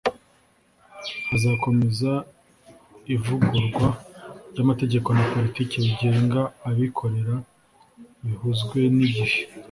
hazakomeza ivugururwa ry' amategeko na politiki bigenga abikorera bihuzwe n'igihe